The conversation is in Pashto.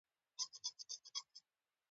چې خلک او لیکوال دواړه طبقې مستفیدې شي.